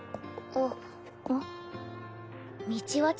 あっ！